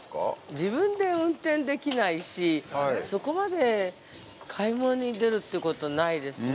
◆自分で運転できないし、そこまで買い物に出るってことないですね。